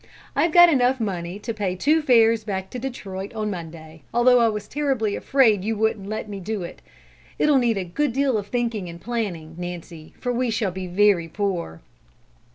I've got enough money to pay two fares back to Detroit on Monday, although I was terribly afraid you wouldn't let me do it. It'll need a good deal of thinking and planning, Nancy, for we shall be very poor."